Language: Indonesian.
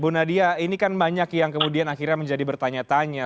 bu nadia ini kan banyak yang kemudian akhirnya menjadi bertanya tanya